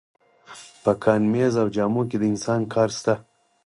په کان، مېز او جامو کې د انسان کار شته